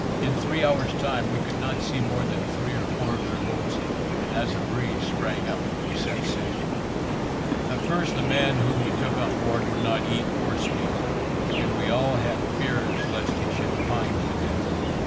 In three hours' time, we could not see more than three or four of their boats, and as a breeze sprang up we set sail. At first the man whom we took on board would not eat or speak, and we all had fears lest he should pine to death.